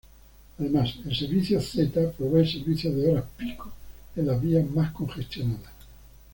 Además, el servicio Z provee servicios de horas pico en las vías mas congestionadas.